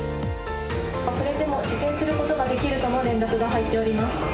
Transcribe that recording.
遅れても受験することができるという連絡が入っております。